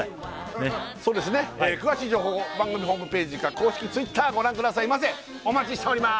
ねっそうですね詳しい情報番組ホームページか公式Ｔｗｉｔｔｅｒご覧くださいませお待ちしております